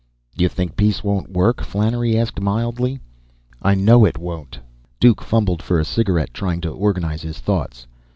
"You think peace won't work?" Flannery asked mildly. "I know it won't!" Duke fumbled for a cigarette, trying to organize his thoughts.